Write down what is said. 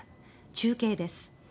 中継です。